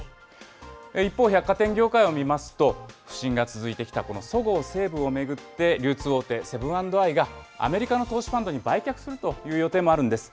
一方、百貨店業界を見ますと、不振が続いてきたそごう・西武を巡って、流通大手、セブン＆アイがアメリカの投資ファンドに売却するという予定もあるんです。